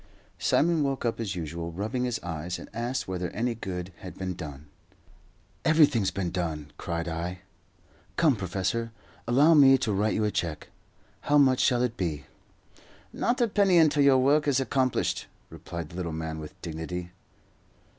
Simon woke up as usual, rubbing his eyes, and asked whether any good had been done. "Everything's been done," cried I. "Come, professor, allow me to write you a cheque. How much shall it be?" "Not a penny until your work is accomplished," replied the little man, with dignity.